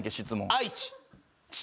愛知。